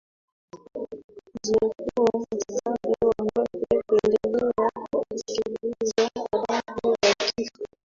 zimekuwa mstari wa mbele kuendelea kutekeleza adhabu ya kifo